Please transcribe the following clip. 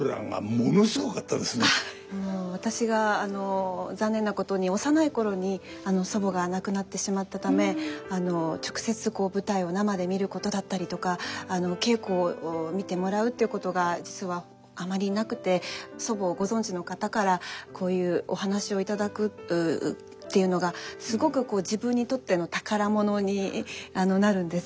私があの残念なことに幼い頃に祖母が亡くなってしまったため直接舞台を生で見ることだったりとかお稽古を見てもらうっていうことが実はあまりなくて祖母をご存じの方からこういうお話を頂くっていうのがすごくこう自分にとっての宝物になるんです。